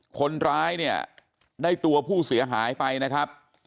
คนร้ายเนี่ยได้ตัวผู้เสียหายไปนะครับ